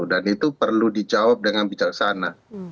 dan itu perlu dijawab dengan bijaksana